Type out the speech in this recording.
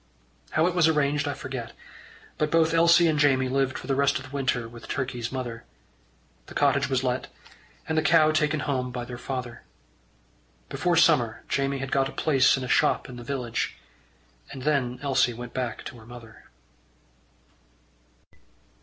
How it was arranged, I forget, but both Elsie and Jamie lived for the rest of the winter with Turkey's mother. The cottage was let, and the cow taken home by their father. Before summer Jamie had got a place in a shop in the village, and then Elsie went back to her mother.